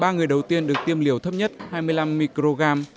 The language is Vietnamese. ba người đầu tiên được tiêm liều thấp nhất hai mươi năm microgram